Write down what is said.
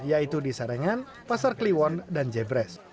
yaitu di sarengan pasar kliwon dan jebres